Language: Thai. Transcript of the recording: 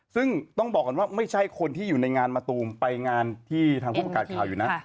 ซึ่งต้องบอกก่อนว่าไม่ใช่คนที่อยู่ในงานมะตูมไปงานที่ทางผู้ประกาศข่าวอยู่นะ